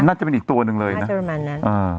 น่าจะเป็นอีกตัวนึงเลยนะ